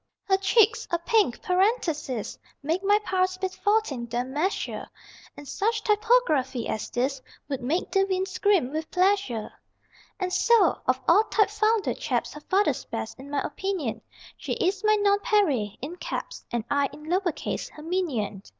Her cheeks (a pink parenthesis) Make my pulse beat 14 em measure, And such typography as this Would make =De Vinne= scream with pleasure. And so, of all typefounder chaps Her father's best, in my opinion; She is my NONPAREIL (IN CAPS) And I (in lower case) her minion.